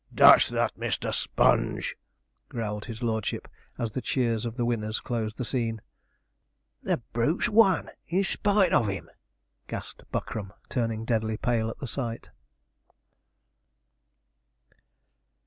'Dash that Mr. Sponge!' growled his lordship, as the cheers of the winners closed the scene. 'The brute's won, in spite of him!' gasped Buckram, turning deadly pale at the sight.